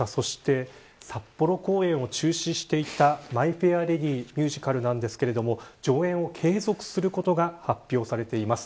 札幌公演を中止していたマイ・フェア・レディミュージカルですが上演を継続することが発表されています。